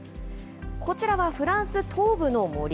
こちらはフランス東部の森。